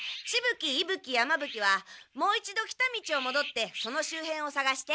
鬼いぶ鬼山ぶ鬼はもう一度来た道をもどってその周辺をさがして。